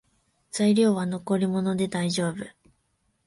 材料は残り物でだいじょうぶ